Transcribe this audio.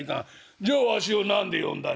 「じゃあわしを何で呼んだんじゃ？」。